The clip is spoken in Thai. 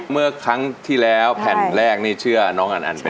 เมื่อครั้งที่แล้วแผ่นแรกนี่เชื่อน้องอันอันเป็น